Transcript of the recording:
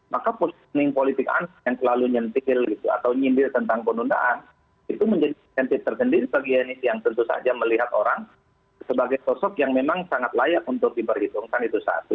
maka posisi politik anies yang selalu nyentil gitu atau nyindir tentang penundaan itu menjadi insentif tersendiri bagi enis yang tentu saja melihat orang sebagai sosok yang memang sangat layak untuk diperhitungkan itu satu